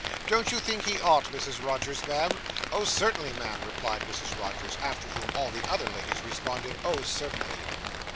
Don't you think he ought, Mrs. Rogers, ma'am?' Oh, certainly, ma'am,' replied Mrs. Rogers; after whom all the other ladies responded, 'Oh, certainly.